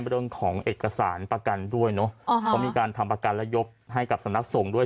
เรื่องของเอกสารประกันด้วยเนอะเขามีการทำประกันและยกให้กับสำนักสงฆ์ด้วย